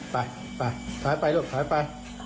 ไปไปถอยไปลูกถอยไป